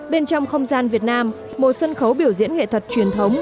bên trong không gian việt nam một sân khấu biểu diễn nghệ thuật truyền thống